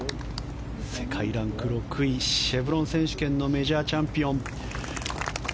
世界ランク６位シェブロン選手権のメジャーチャンピオン。